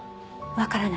わからない。